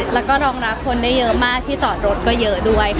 แล้วก็รองรับคนได้เยอะมากที่จอดรถก็เยอะด้วย